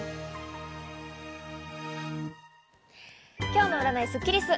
今日の占いスッキリす。